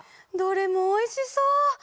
どれもおいしそう！